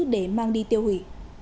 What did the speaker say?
để mang đi tiêu hủy